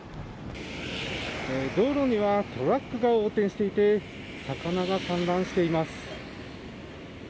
道路にはトラックが横転していて魚が散乱しています。